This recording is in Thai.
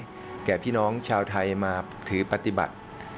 แก่พี่น้องชาวไทยมาถือปฏิบัติ